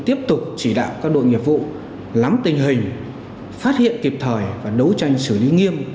tiếp tục chỉ đạo các đội nghiệp vụ lắm tình hình phát hiện kịp thời và đấu tranh xử lý nghiêm